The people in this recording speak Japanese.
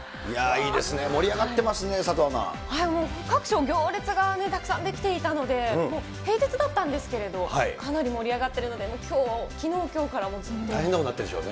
いいですね、盛り上がってま各地、行列がたくさん出来ていたので、平日だったんですけれど、かなり盛り上がってるので、きょう、大変なことになってるでしょ